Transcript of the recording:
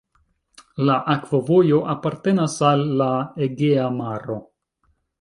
La akvovojo apartenas al la Egea Maro.